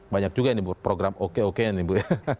banyak juga ini bu program oke oke ini bu